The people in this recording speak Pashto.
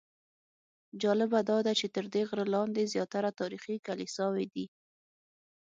جالبه داده چې تر دې غره لاندې زیاتره تاریخي کلیساوې دي.